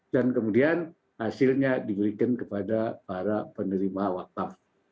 dan kemudian hasilnya diberikan kepada para penerima wakaf